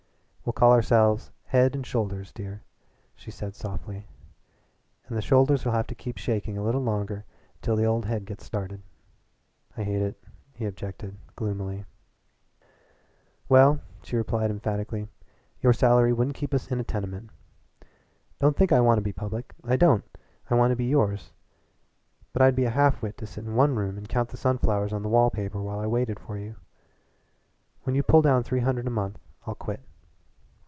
"We'll call ourselves Head and Shoulders, dear," she said softly, "and the shoulders'll have to keep shaking a little longer until the old head gets started." "I hate it," he objected gloomily. "Well," she replied emphatically, "Your salary wouldn't keep us in a tenement. Don't think I want to be public I don't. I want to be yours. But I'd be a half wit to sit in one room and count the sunflowers on the wall paper while I waited for you. When you pull down three hundred a month I'll quit."